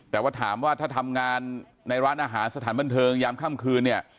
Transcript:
แต่ว่าถามว่าถ้าทำงานในร้านอาหารสถานบันเทิงยามค่ำคืนเนี่ย